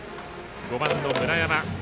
５番の村山。